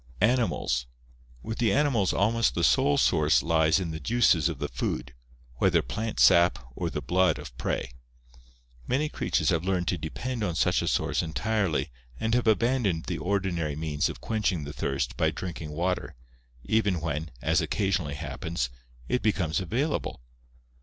Animals. — With the animals almost the sole source lies in the juices of the food, whether plant sap or the blood of prey. Many creatures have learned to depend on such a source entirely and have abandoned the ordinary means of quenching the thirst by drinking water even when, as occasionally happens, it becomes available.